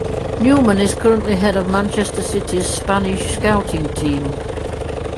Newman is currently head of Manchester City's Spanish scouting team.